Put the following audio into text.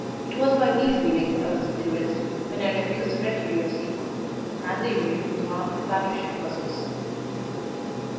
It was by these feelings I was influenced when I refused the Rectory of Seacombe, and the union with one of my patrician cousins.